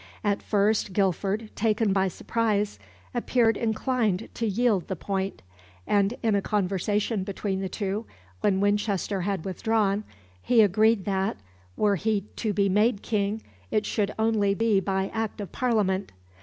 At first Guilford, taken by surprise, appeared inclined to yield the point, and in a conversation between the two, when Winchester had withdrawn, he agreed that, were he to be made King, it should be only by Act of Parliament.